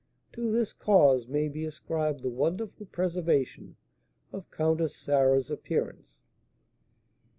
To this cause may be ascribed the wonderful preservation of Countess Sarah's appearance.